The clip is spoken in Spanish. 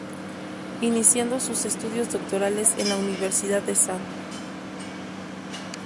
Iniciando sus estudios doctorales en la Universidad de Sn.